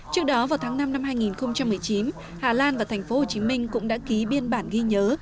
trước đó vào tháng năm năm hai nghìn một mươi chín hà lan và tp hcm cũng đã ký biên bản ghi nhớ